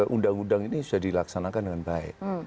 undang undang ini sudah dilaksanakan dengan baik